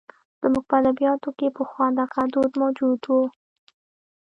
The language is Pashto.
زموږ په ادبیاتو کې پخوا دغه دود موجود و.